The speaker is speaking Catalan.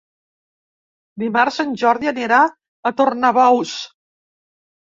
Dimarts en Jordi anirà a Tornabous.